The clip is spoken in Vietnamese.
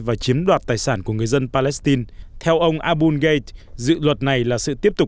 và chiếm đoạt tài sản của người dân palestine theo ông aboul gay dự luật này là sự tiếp tục